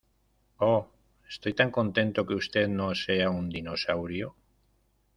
¡ Oh, estoy tan contento que usted no sea un dinosaurio!